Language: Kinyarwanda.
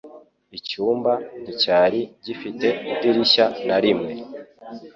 Icyumba nticyari gifite idirishya na rimwe.